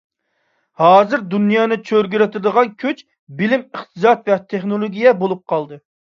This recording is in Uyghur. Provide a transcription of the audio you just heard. ھازىر دۇنيانى چۆرگۈلىتىدىغان كۈچ — بىلىم، ئىقتىساد ۋە تېخنولوگىيە بولۇپ قالدى.